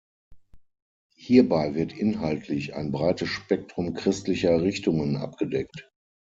Hierbei wird inhaltlich ein breites Spektrum christlicher Richtungen abgedeckt.